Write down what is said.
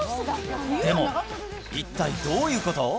でも一体どういうこと？